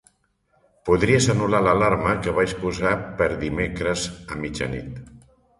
Podries anul·lar l'alarma que vaig posar per dimecres a mitjanit?